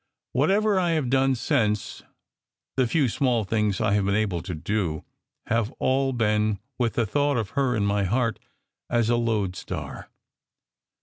Whatever I have done since the few small things I have been able to do have all been with the thought of her in my heart as a lodestar.